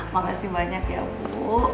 makasih banyak ya bu